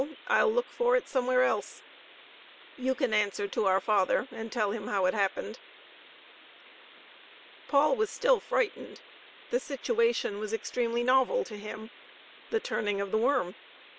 I'll look for it somewhere else. You can answer to our father, and tell him how it happened." Paul was still frightened. The situation was extremely novel to him. The turning of the worm!